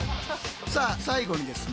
さあ最後にですね